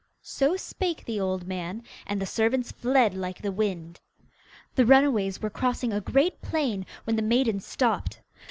So spake the old man, and the servants fled like the wind. The runaways were crossing a great plain, when the maiden stopped.